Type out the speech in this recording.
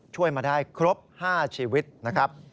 ช่วยมาได้ครบ๕ชีวิตนะครับ